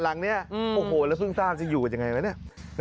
หลังเนี่ยโอ้โหแล้วเพิ่งทราบจะอยู่กันยังไงวะเนี่ย